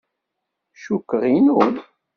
Cukkeɣ inu.